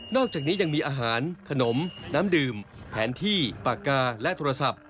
อกจากนี้ยังมีอาหารขนมน้ำดื่มแผนที่ปากกาและโทรศัพท์